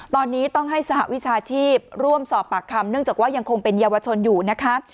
ตอนนี้ต้องให้สหวิชาชีพร่วมสอบปากคำเนื่องจากว่ายังคงเป็นเยาวชนอยู่นะคะ